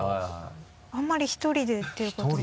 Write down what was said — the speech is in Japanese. あんまり１人でっていうことは。